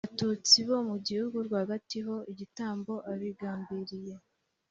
abatutsi bo mu gihugu rwagati ho igitambo abigambiriye